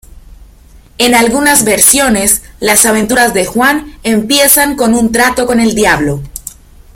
En algunas versiones, las aventuras de Juan empiezan con un trato con el diablo.